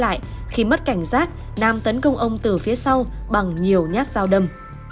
hoàng dừng xe lại khi mất cảnh giác nam tấn công ông từ phía sau bằng nhiều nhát dao đâm